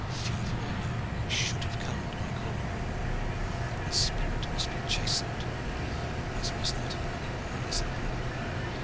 Fever or no, he should have come at my call. His spirit must be chastened, as must that of many more in this Abbey.